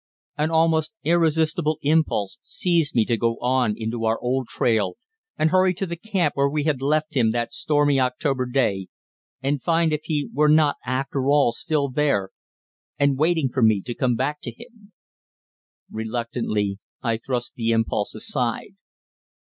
An almost irresistible impulse seized me to go on into our old trail and hurry to the camp where we had left him that stormy October day and find if he were not after all still there and waiting for me to come back to him. Reluctantly I thrust the impulse aside.